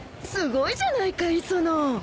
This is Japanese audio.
すごいじゃないか磯野。